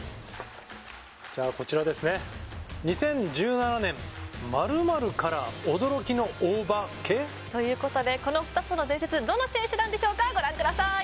こちらですね、２０１７年、○○から驚きの大化け。ということで、この２つの伝説、どの選手なんでしょうかご覧ください。